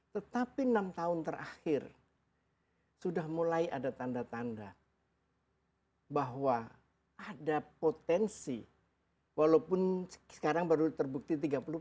tetapi enam tahun terakhir sudah mulai ada tanda tanda bahwa ada potensi walaupun sekarang baru terbukti tiga puluh empat